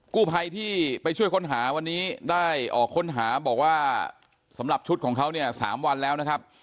กู้ภัยที่ไปช่วยค้นหาวันนี้ได้ออกค้นหาบอกว่าสำหรับชุดของเขาเนี่ย๓วันแล้วนะครับ